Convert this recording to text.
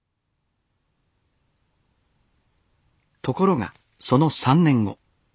ところがその３年後。